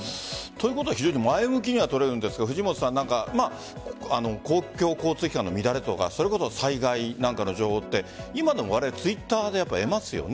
ということは非常に前向きに取れるんですが公共交通機関の乱れとか災害なんかの情報って今でもわれわれＴｗｉｔｔｅｒで得ますよね。